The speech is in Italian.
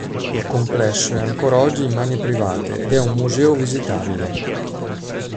Il complesso è ancora oggi in mani private ed è un museo visitabile.